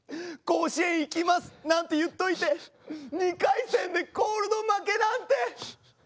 「甲子園行きます」なんて言っといて２回戦でコールド負けなんて！